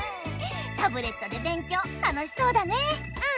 タブレットで勉強楽しそうだね。